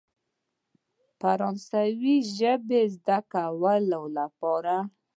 فرانسوي ژبې زده کولو لپاره.